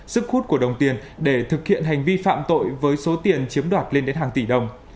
sức hút của đồng tiền để thực hiện hành vi phạm tội với số tiền chiếm đoạt lên đến hàng tỷ đồng